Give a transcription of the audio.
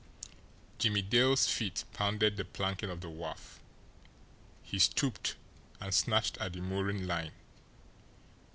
Jimmie Dale's feet pounded the planking of the wharf. He stooped and snatched at the mooring line.